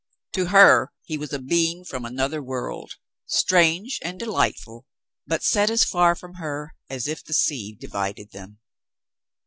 To her he was a being from another world, strange and delightful, but set as far from her as if the sea divided them.